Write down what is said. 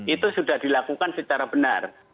itu sudah dilakukan secara benar